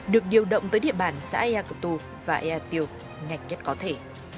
được điều động tới địa bàn xã ea cửu tù và ea tiêu ngành nhất có thể